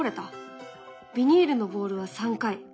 ビニールのボールは３回。